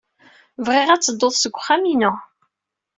Bɣiɣ ad teddud seg uxxam-inu.